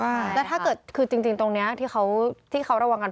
ใช่ค่ะค่ะแล้วถ้าเกิดคือจริงตรงนี้ที่เขาระวังกัน